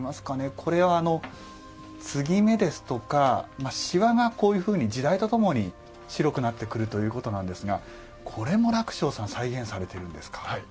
これは継ぎ目ですとかシワがこういうふうに時代とともに白くなってくるということなんですがこれも礫翔さん再現されているんですか。